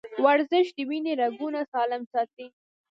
ورزش د وینې رګونه سالم ساتي.